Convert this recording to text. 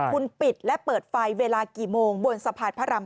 คุณปิดและเปิดไฟเวลากี่โมงบนสะพานพระราม